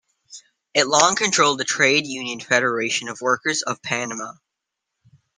It long controlled the Trade Union Federation of Workers of Panama.